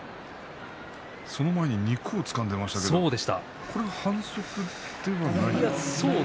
その前に肉をつかんでいましたけどそれは反則ではないんですか？